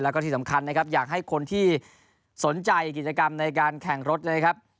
แล้วก็ที่สำคัญนะครับอยากให้คนที่สนใจกิจกรรมในการแข่งรถนะครับ